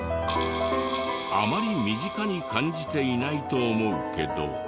あまり身近に感じていないと思うけど。